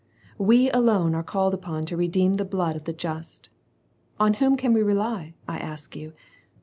We alone are called upon to redeem the blood of the just. On whom can we rely, I ask you